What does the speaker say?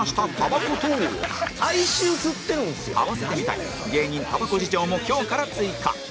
併せて見たい芸人タバコ事情も今日から追加